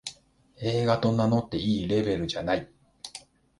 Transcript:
映画と名乗っていいレベルじゃない